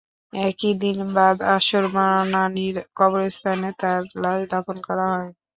একই দিন বাদ আসর বনানীর কবরস্থানে তাঁর লাশ দাফন করা হয়।